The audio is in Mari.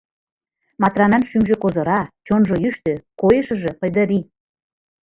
Матранан шӱмжӧ козыра, чонжо йӱштӧ, койышыжо пыльдырий.